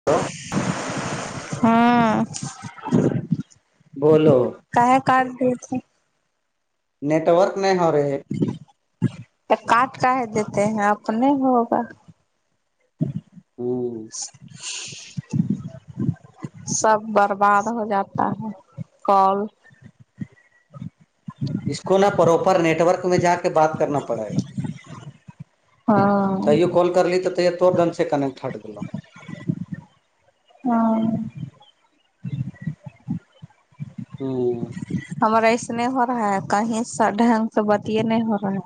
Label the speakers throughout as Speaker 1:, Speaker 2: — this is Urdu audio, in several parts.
Speaker 1: ہلو
Speaker 2: ہاں [unintelligible]
Speaker 1: بولو
Speaker 2: کا کارڈ دی تھ
Speaker 1: نیٹورک نہیں ہو رہی ہے
Speaker 2: کاٹ کا ہی دیتے ہیں اپنے ہوگا ہ [inaudible]
Speaker 1: ہاں
Speaker 2: سب برباد ہو جاتا ہے کول
Speaker 1: اس کو نہا پراپر نیٹ ورک میں جا کے بات کرنا پڑے گا
Speaker 2: ہاں
Speaker 1: تیے کال کر لیلی تو تیہ ت طور دند سے کنےیکٹ ہٹ گ
Speaker 2: ہاں
Speaker 1: او
Speaker 2: ہمار ایس نہیں ہو رہا ہے کہیں سا ڈھنگ سے بتے نہیں ہو رہا ہے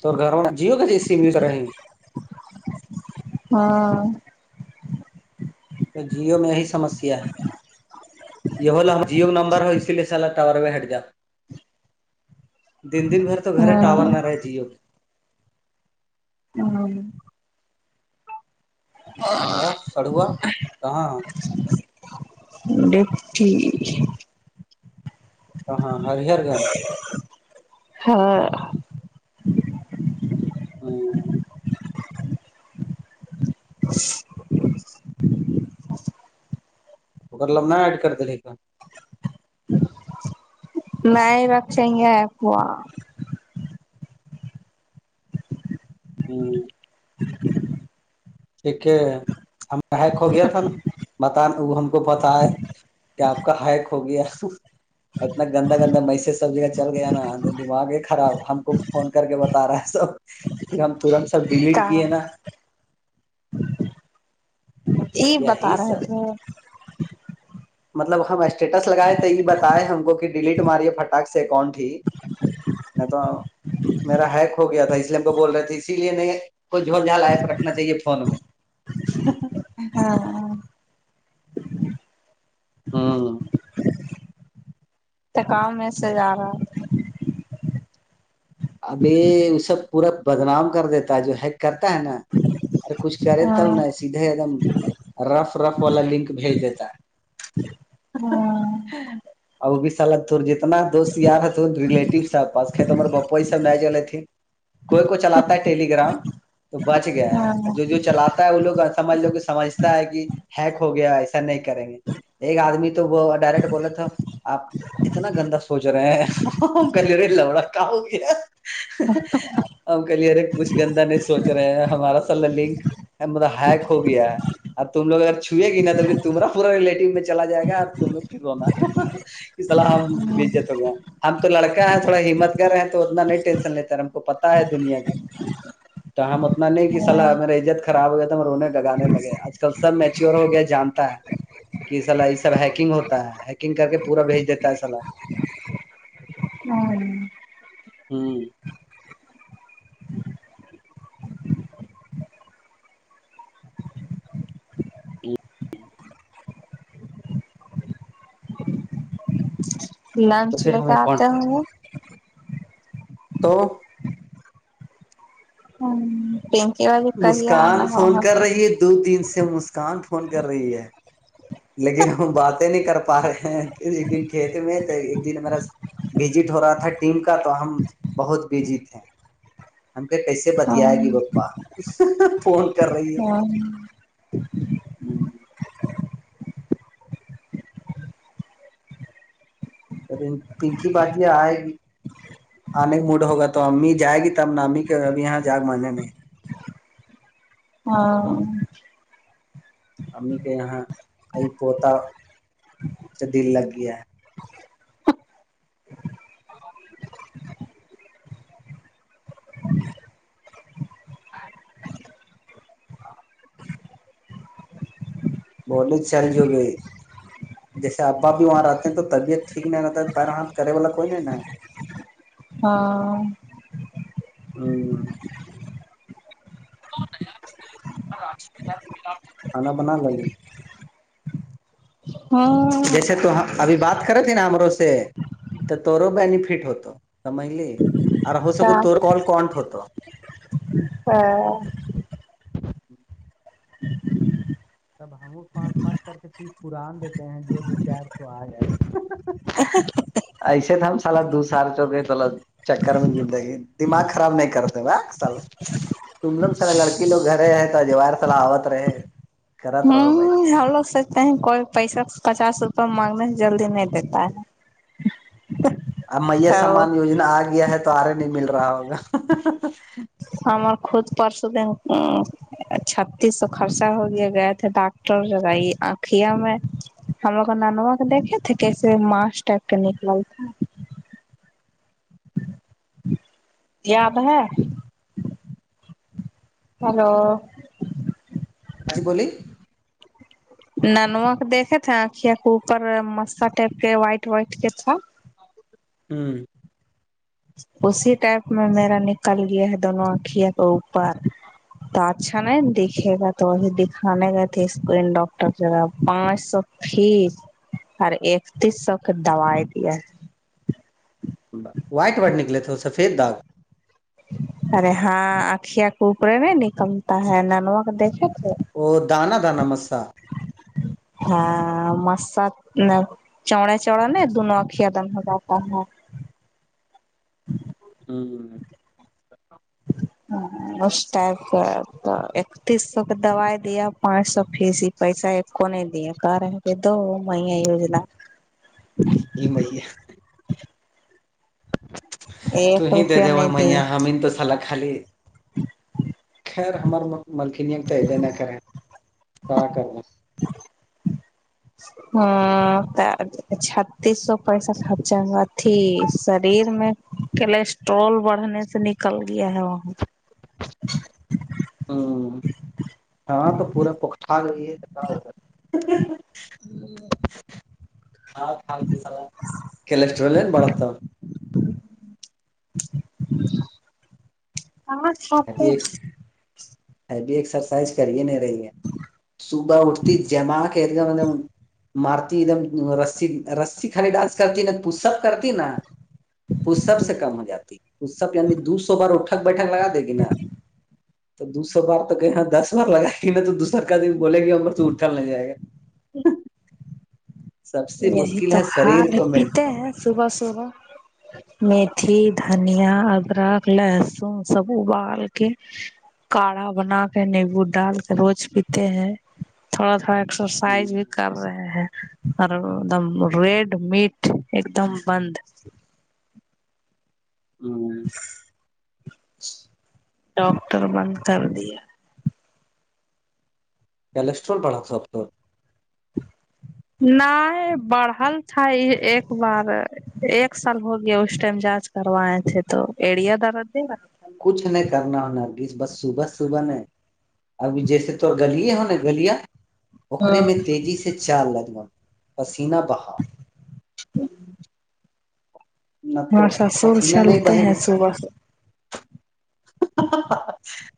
Speaker 1: تو گھر جیو کا جی سم یوز رہے
Speaker 2: ہاں
Speaker 1: جیو میں یہی سمسیا ہے یہ جیو نمبر ہو اسی لیے س ال اٹاور میں ہٹ جاؤ دن دن بھر تو گھر ٹاور
Speaker 2: ہاں
Speaker 1: نہ رہا ہے جیو
Speaker 2: ہاں
Speaker 1: آ سڑوا کہاں ہاں
Speaker 2: ایکس چیج
Speaker 1: تو ہاں ہر
Speaker 2: ہاں [unintelligible]
Speaker 1: ہ مگر لمہا ایڑ کر کے دیکھنا
Speaker 2: نہیں رکھے آکوا
Speaker 1: ہوں ٹھیک ہم ہائ کھو گیا تھا نا بت وہ ہم کو پت ہے کیا آپ کا ہائیک ہو گیا اتنا گندا گندا میںی سے سب جگہ چل گیا نا دماغ ہی خراب ہم کو فون کر کے بتا رہا ہے سب پھر ہم توڑا سا ڈیلیٹ
Speaker 2: کا
Speaker 1: کیے نا
Speaker 2: یہ
Speaker 1: یہی
Speaker 2: بتا رہے
Speaker 1: سب
Speaker 2: تھے
Speaker 1: مطلب ہم اسٹیٹس لگائے تھے یہ بتاپئے ہم کو کہ ڈیلیٹ ہماری پٹاک سے کونٹ تھی نہیں تو میرا ہیک ہو گیا تھا اس لیے ہم وہ بول رہے تھے اسی لیے نہیں کوئی جھول جھال ایپ رکھنا چاہیے فون میں ہ [unintelligible]
Speaker 2: ہاں
Speaker 1: ہاں ہاں
Speaker 2: تو کام میں سے جا رہا
Speaker 1: ابی یہ اسب پورا بدنام کر دیتا جو ہے کرتا ہے نا ارے کچھ کرے تو
Speaker 2: ہاں
Speaker 1: نا سیدھے ایک دم رف رف والا لنک بھیج دیتا ہے
Speaker 2: ہاں
Speaker 1: ا وہ بھی سال جتنا دوست یار ہے ریلیٹیو پاس مارے باپ ویسے نہ نہیں چلےتی کوئی کوئی چلاتا ہے ٹیلی گگرام تو بچ گیا ہے جو چلاتا ہے وہ لوگ سماج لوگ سمجھتا ہے کہ ہیک ہو گیا ایسا نہیں کریں گے ایک آدمی تو وہ ڈائریکٹ بولے تھا آپ اتنا گندا سوچ رہے ہیں کر لے رہے لوڑا کیاہو گیا ہے ہم کلیر ہے کچھ گندا نہیں سوچ رہے ہمارا سارا لنک مطلب ہیک ہو گیا اور تم لوگ اگر چوئے گی نا تو پھر تمہا پورا ریلیٹو میں چلا جائے گا اور تم لوگ پھر رونا اس سلح ہم بھیجے ت ہم تو لڑکا ہے تھوڑا ہمت گار ہے تو اتنا نہیں ٹینشن لیتا ہے ہم کو پتا ہے دنیا کے تو ہم اتنا نہیں کہ
Speaker 2: ہاں
Speaker 1: صلاح میرے عزت خراب ہو گیا تو ہم رونے گگانے لگے آج کل سب میچیور ہو گیا جانتا ہے کہ سلا یہ سب ہیکنگ ہوتا ہے ہیکنگ کر کے پورا بھیج دیتا ہے سلا
Speaker 2: ہوں
Speaker 1: ہوں تو
Speaker 2: لنچ
Speaker 1: پھر
Speaker 2: لے کے
Speaker 1: ہمیں کون
Speaker 2: آتے ہیں وہ
Speaker 1: تو
Speaker 2: ہاں اک
Speaker 1: مسکان فون کر رہی ہے دو تین سے مسکان فون کر رہی ہے لیکن ہم باتیں نہیں کر پا رہے ہیں ایک دن کھیت میں تو ایک دن میرا بزٹ ہو رہا تھا ٹیم کا تو ہم بہت بزی تھے ہم کے کیسے بتیائے
Speaker 2: ہاں
Speaker 1: گی پپا اس سے فون چل رہی ہے
Speaker 2: ہاں
Speaker 1: ہ پنکی بادی آئے گ آنے موڈ ہوگا تو امی جائے گی تب امی کے گھر ابھی یہاں جا ماننے میں
Speaker 2: ہاں
Speaker 1: امی کے یہاں کھئی پوتا سے دل لگ گیا ہے [inaudible] بہت چل جو گی جیسے ابا بھی وہاں رہتے ہیں تو طبعت ٹھیک نہیں رہتا پیر ہاتھے والا کوئی نہیں نا [inaudible]
Speaker 2: ہاں
Speaker 1: ہاں کھانا بن لگے
Speaker 2: ہاں
Speaker 1: جیسے تو ابھی بات کر ت ن ہمرو سے تو تور بیینفٹ ہوتا سمجلی ار ہو سکو تو کال کونٹ ہوتا
Speaker 2: ہاں
Speaker 1: تب ہمو پانچ پانچ کر کے تیس قران دیتے ہیں جو دو چار س ایسے تو ہم سال دو سال چو گ تو چکر میں زندگی دماغ خراب نہیں کرتے وا سل تمدم سر لڑکی لوگ گھرے ہیں تو جوور صلاح آوت رہے گھرات ر رہوا بھائی
Speaker 2: ہم لوگ سوچتے ہیں کوئی پیسہ پچاس روپئے مانگنے سے جلدی نہیں دیتا ہے
Speaker 1: ا میا
Speaker 2: تو
Speaker 1: سامان یوجنا آ گیا ہے تو آرے نہیں مل رہا ہوگا
Speaker 2: ہمار کھود پارش دین چھتیس سو خرچہ ہو گیا گئے تھے ڈاکٹر لگائی آکھیا میں ہم لوگ کا ننوا کو دیکھے تھے کیسے ماس ٹک کے نکل تھا یاد ہے ہیلو
Speaker 1: آجی بولی
Speaker 2: ننوا کے دیکے تھے آکھ کو اوپر مستا ٹپ کے وائٹ وائٹ کے تھا
Speaker 1: ہوں
Speaker 2: اسی ٹائپ میں میرا نکل گیا ہے دونوں آنکھوں کو اوپر تو اچھا نہیں دکھے گا تو وہی دکھانے گئے تھے اس ڈاکٹر جگا پانچ سو فیس اورر اکتیس سو کے دوائی دیا
Speaker 1: وائٹ وورڈ نکلے تھے وہ سفید داغ
Speaker 2: ارے ہاں اکھیا کو اوپرے میں نکلتا ہے ننوا کو دیکھے تھے
Speaker 1: او دان دان م سا
Speaker 2: ہاں مسا نہی چڑے چڑا ن دونوں آکھھی [unintelligible]
Speaker 1: ہاں [unintelligible]
Speaker 2: اس ٹائپ کا اکتیس سو کے دوائی دیا پانچ سو فیس پیسہ کونے دیا کار ہے کہ دو میں یوجنا
Speaker 1: یہ مئی ہے تو
Speaker 2: ایک
Speaker 1: ہی دے
Speaker 2: روپیہ
Speaker 1: دو
Speaker 2: نہیں دیے
Speaker 1: میا ہم ہی تو سلا خالی خیر ہمار ملکنیم تو ایبے نہ خ ہے کیا کرنا
Speaker 2: ہاں چھتیس سو پیسہٹھ خرچا ہوا تھی شریر میں کولیسٹرول بڑھنے سے نکل گیا ہے وہاں
Speaker 1: ہاں ہاں تو پورا پکھارئی ہےا ہوگا ہاں کولیسٹرول بڑھتا
Speaker 2: ہاں سپ
Speaker 1: ہیبی ایکسرسائز کر ہی نہیں رہی ہے صبح اٹھتی جمع کے مط مارتی ایک دم رسی رسی کھالی ڈانس کرتی ن پستک کرتی نا وہ سب سے کم ہو جاتی سب سے یعنی دو سو بار اٹھک بیٹھک لگا دے گی انا تو دوسو بار تو کہیں یہاں دس بار لگائے گی نا تو دوسرار کادمی بولے گی امر تو اٹھا نہیں جائے گا
Speaker 2: ای
Speaker 1: سب سے
Speaker 2: یہی
Speaker 1: مشکل
Speaker 2: تو
Speaker 1: ہے شریر
Speaker 2: ہھ
Speaker 1: کو مین
Speaker 2: پیتے ہیں صبح صبح متھی دھنیا ادرک لہسن سب ابال کے کاڑھا بنا کے نیمبو ڈال کے روز پیتے ہیں تھوڑا تھوڑا ایکسر فائی بھی کر رہے ہیں اور ایک دم ریڈ میٹ ایک دم بند
Speaker 1: ہوں
Speaker 2: ڈاکٹر بند کر دیا
Speaker 1: کسٹرول بڑا تھا
Speaker 2: نہیں بڑا تھا ایک بار ایک سال ہو گیا اس ٹائم جانچ کر وا یے تھے تو ایڑیا درد کیا
Speaker 1: کچھ نہیں کرنا ہونا کس بس صبح صبح ن ابھی جیسے تو گلیے ہو نا گلیاں
Speaker 2: رہا
Speaker 1: اکھرے میں تیزی سے چار لدمن پسینہ بہا نہ تو
Speaker 2: ہمارے سسر
Speaker 1: پسیینہ نہیں
Speaker 2: چلتے
Speaker 1: بہہے گی
Speaker 2: ہیں صبح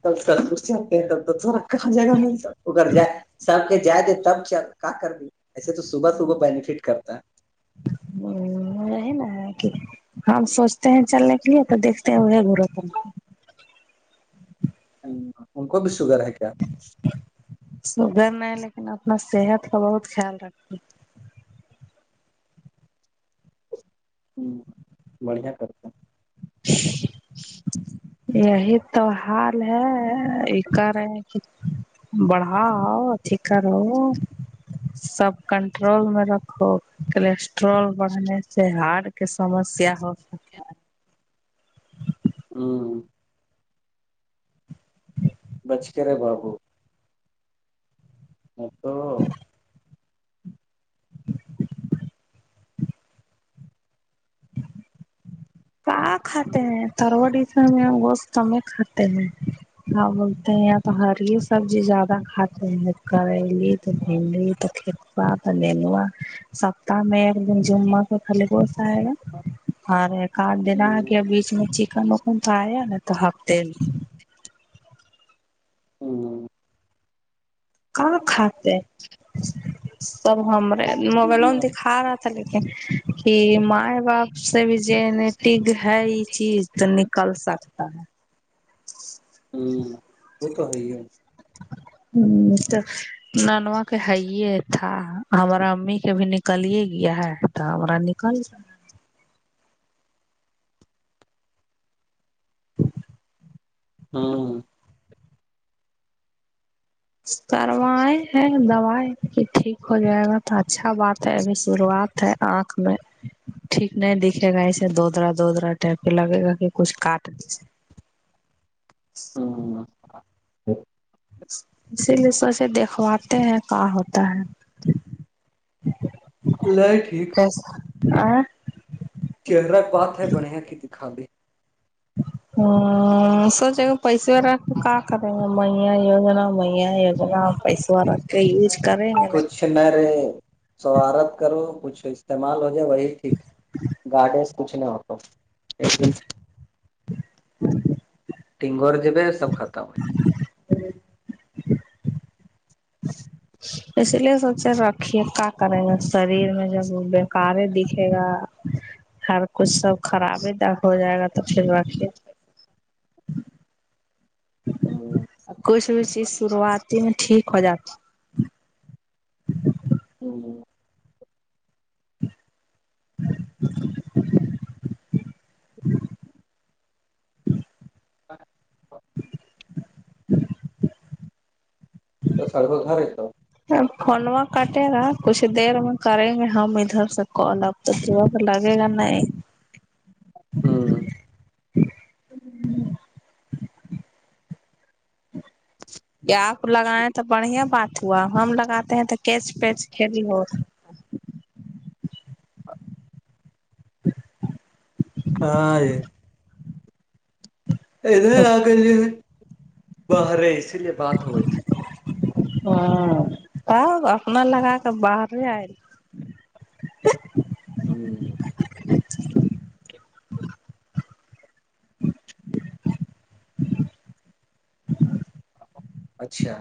Speaker 1: ک س خرشی آتے ہیں تو چورا [unintelligible] کہاں جگہ میں ا کر جائے سب جا دے تب چل کہ کر دی ایسے تو صبح صبح بینیفٹ کرتا
Speaker 2: ہ رہ نا ہے کہ ہم سوچتے ہیں چلنے کے لیے تو دیکتے ہیں ہوئے ہے گر وپ
Speaker 1: ان کو بھی شگر ہے کیا
Speaker 2: شوگر میں لیکن اپنا صحت کا بہت خیال رکھتی
Speaker 1: ہوں بڑھیا کرتا
Speaker 2: [unintelligible] یہی تو حال ہے یہ کر رہے ہیں کہ بڑھا آ فکر ہو سب کنٹرول میں رکھو کولیسٹرول بڑھنے سے ہارڈ کہ سمسیا ہو
Speaker 1: ہاں بچ کے ر ہے بابو متو
Speaker 2: [inaudible] [inaudible] کیا کھاتے ہیں تروڑی کا میں گوشت میں کھاتے نہیں ہاں بولتے ہیں یہ تو ہری سبزی زیادہ کھاتے ہیں کریلی تو پیلی کتا ب لگا سپتہ میں ایک دن جمعہ سے خلی گس آئے گا ہر کاٹ دینا ہے کہ بیچ میں چکن وکن تو آیا نا تو ہفتے میں
Speaker 1: ہاں
Speaker 2: کہاں کھاتات سب ہم رے موبائلوں میں دکھا رہا لیکن کہ مائ باپ سے بھی جٹگ ہے یہ چیز تو نکل سکتا ہے
Speaker 1: ہوں وہ تو ہو ہے
Speaker 2: ہوں تو ننوا کے ہےے تھا ہمارا امی کے بھی نکلیے گیا ہے تو ہمارا نکل
Speaker 1: ہاں
Speaker 2: سروائے ہے دو کی ٹھیک ہو جائے گا تو اچھا بات ہے ابھی شروعات آنکھ میں ٹھیک نہیں دیک گ دوودرا دوودرا ٹائپ پ لگے گا کہ کچھ کاٹ
Speaker 1: ہوں
Speaker 2: اسی لیے سوچے دیکھواتے ہیں کا ہوتا ہے [unintelligible]
Speaker 1: کولے ٹھیک
Speaker 2: اس آ
Speaker 1: چلرا پات ہے بڑیا کی دکھا دے
Speaker 2: ہوں سوچے گا پیسے ویرا کیا کریں گا میا وجنا میں یجنا پیسوں آا کے یز کریں گےنا
Speaker 1: نہ رے سوارت کرو کچھ استعمال ہو جائے وہی ٹھیک گاڈے سے کچھ نہیں ہوتا
Speaker 2: [inaudible]
Speaker 1: تٹینگ اور جبے سب ختم ہو
Speaker 2: جی
Speaker 1: [inaudible]
Speaker 2: اس لیے سوچے رکھی کاا کریں گے شریر میں جب بکار دکھے گا ہر کچھ سب خراب ہی د ہو جائے گا تو پھر با کچھ بھی چیز شروعات میں ٹھیک ہو جاتا
Speaker 1: [unintelligible] ا [inaudible] [inaudible]
Speaker 2: [inaudible]
Speaker 1: تو سرو ک رہے تھاا
Speaker 2: فنوا کٹے گا کچھ دیر میں کریں گے ہم ادھر سے ک ڈگ تو دا تو لگے گا نہیں
Speaker 1: ہاں
Speaker 2: یہ آپ لگائےیں تو بڑھیا بات ہوا ہم لگاتے ہیں تو کیچ پیچ کلی ہو
Speaker 1: ہائے [unintelligible] ادھر آ گئی باہرے اسی لیے بات ہو گئی تھی
Speaker 2: ہاں کیا ہوا من لگا کے باہر آئل
Speaker 1: ہوں [unintelligible] اچھا